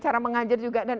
cara mengajar juga